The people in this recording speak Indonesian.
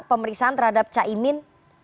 pemeriksaan terhadap caimin